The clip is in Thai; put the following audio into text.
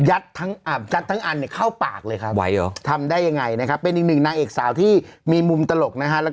ยัดทั้งอันเนี่ยเข้าปากเลยครับไหวเหรอทำได้ยังไงนะครับเป็นอีกหนึ่งนางเอกสาวที่มีมุมตลกนะฮะ